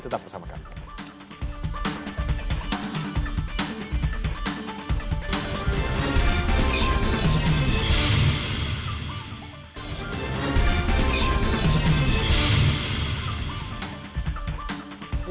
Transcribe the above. tetap bersama kami